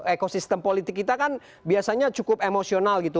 eko sistem politik kita kan biasanya cukup emosional gitu